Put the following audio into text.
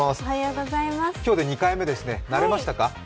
今日で２回目ですね慣れましたか？